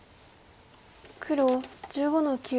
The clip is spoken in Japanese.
黒１５の九。